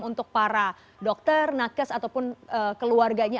untuk para dokter nakes ataupun keluarganya